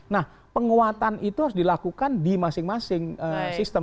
nah penguatan itu harus dilakukan di masing masing sistem